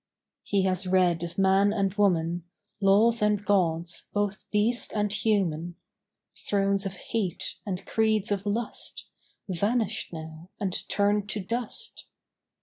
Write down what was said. He has read of man and woman; Laws and gods, both beast and human; Thrones of hate and creeds of lust, Vanished now and turned to dust.